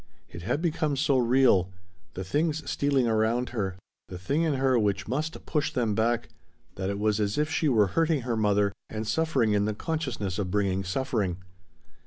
It had become so real: the things stealing around her, the thing in her which must push them back, that it was as if she were hurting her mother, and suffering in the consciousness of bringing suffering.